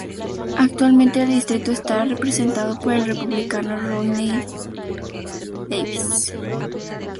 Actualmente el distrito está representado por el Republicano Rodney L. Davis.